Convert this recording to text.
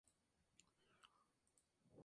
Barcelona en la final.